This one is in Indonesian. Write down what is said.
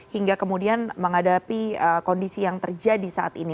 hingga kemudian menghadapi kondisi yang terjadi saat ini